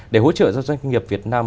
để hỗ trợ cho doanh nghiệp việt nam